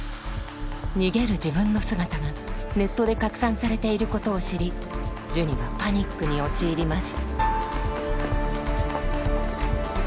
逃げる自分の姿がネットで拡散されていることを知りジュニはパニックに陥ります